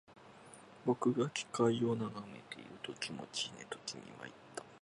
僕が機械を眺めていると、気持ちいいねと君は言った